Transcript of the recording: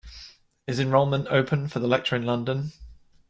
Is enrolment open for the lecture in London?